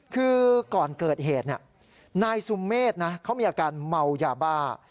คือก่อนเกิดเหตุนายสุเมฆนะเขามีอาการเมายาบ้า